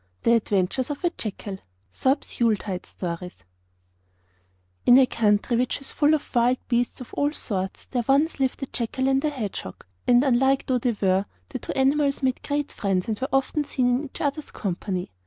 ] The Adventures of a Jackal In a country which is full of wild beasts of all sorts there once lived a jackal and a hedgehog, and, unlike though they were, the two animals made great friends, and were often seen in each other's company.